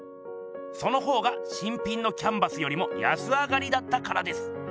その方が新品のキャンバスよりも安上がりだったからです。